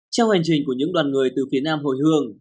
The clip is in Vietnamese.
trong hành trình của những đoàn người từ phía nam hồi hương